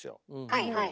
はいはい。